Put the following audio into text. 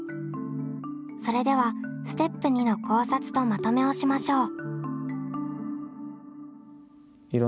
それではステップ２の考察とまとめをしましょう。